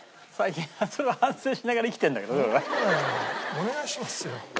お願いしますよ。